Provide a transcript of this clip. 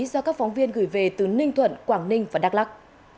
do các phóng viên gửi về từ ninh thuận quảng ninh và đắk lắc